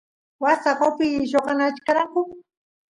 waas taqopi lloqanachkaranku